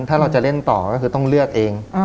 ถ้าเราจะเล่นต่อก็คือต้องเลือกเอง